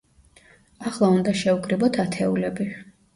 ახლა უნდა შევკრიბოთ ათეულები.